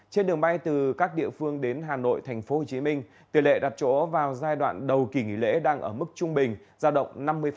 trên đường bay từ các địa phương đến hà nội tp hcm tỷ lệ đặt chỗ vào giai đoạn đầu kỳ nghỉ lễ đang ở mức trung bình giao động năm mươi